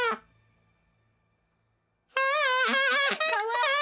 かわいい！